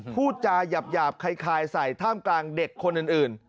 พูดจาหยาบคล้ายใส่ท่ามกลางเด็กคนอื่น